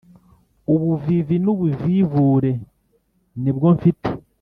ubuvivi n’ubuvivure nibwo mfite